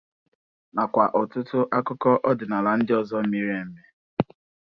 nakwa ọtụtụ akụkọ ọdịnala ndị ọzọ miri èmì.